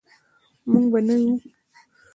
موږ به نه یو.